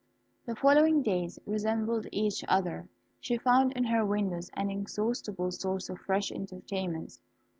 The following days resembled each other. She found in her windows an inexhaustible source of fresh entertainments.